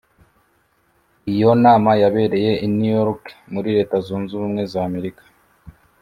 Iyo nama yabereye i New York muri Leta Zunze Ubumwe z Amerika